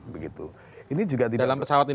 dalam pesawat ini